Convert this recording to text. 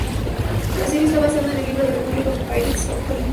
La serie está basada en el libro "The Republic of Pirates" de Colin Woodard.